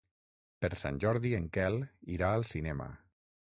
Per Sant Jordi en Quel irà al cinema.